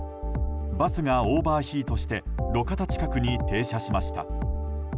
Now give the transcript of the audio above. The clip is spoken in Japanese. バスがオーバーヒートして路肩近くに停車しました。